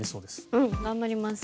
うん頑張ります。